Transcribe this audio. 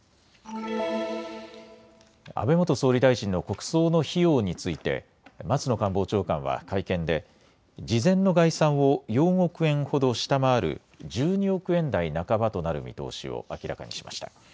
安倍元総理大臣の国葬の費用について松野官房長官は会見で事前の概算を４億円ほど下回る１２億円台半ばとなる見通しを明らかにしました。